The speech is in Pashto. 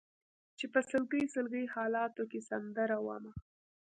چې په سلګۍ سلګۍ حالاتو کې سندره ومه